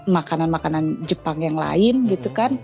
makanan makanan jepang yang lain gitu kan